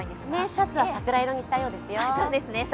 シャツは桜色にしたようですよ。